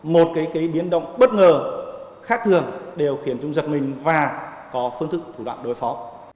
một cái biến động bất ngờ khát thường đều khiến chúng giật mình và có phương thức thủ đoạn đối phó